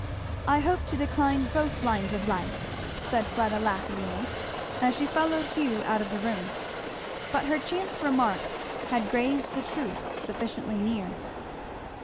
"I hope to decline both lines of life," said Fleda laughingly as she followed Hugh out of the room. But her chance remark had grazed the truth sufficiently near.